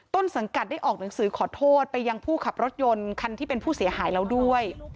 ต้นสังกัดได้ออกหนังสือขอโทษไปยังผู้ขับรถยนต์คันที่เป็นผู้เสียหายแล้วด้วย